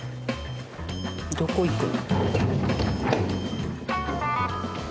「どこ行く？」